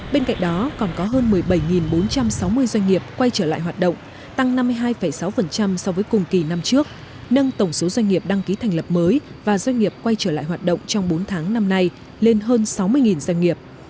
bên cạnh đó còn có hơn một mươi bảy bốn trăm sáu mươi doanh nghiệp quay trở lại hoạt động tăng năm mươi hai sáu so với cùng kỳ năm trước nâng tổng số doanh nghiệp đăng ký thành lập mới và doanh nghiệp quay trở lại hoạt động trong bốn tháng năm nay lên hơn sáu mươi doanh nghiệp